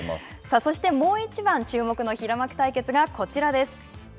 そして、もう一番注目の平幕対決がこちらです。